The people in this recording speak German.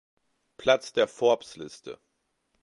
Platz der Forbes-Liste.